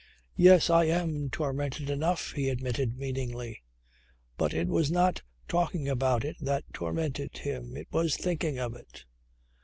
"Yes, I am tormented enough," he admitted meaningly. But it was not talking about it that tormented him. It was thinking of it.